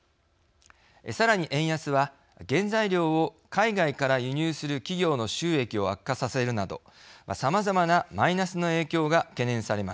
さらに円安は原材料を海外から輸入する企業の収益を悪化させるなどさまざまなマイナスの影響が懸念されます。